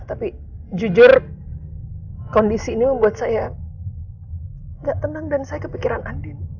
tapi jujur kondisi ini membuat saya gak tenang dan saya kepikiran andin